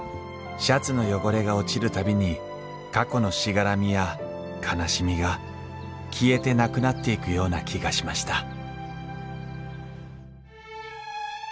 シャツの汚れが落ちる度に過去のしがらみや悲しみが消えてなくなっていくような気がしました